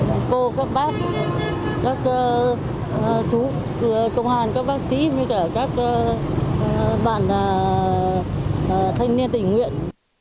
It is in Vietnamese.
các cô các bác các chú công hàn các bác sĩ các bạn thanh niên tình nguyện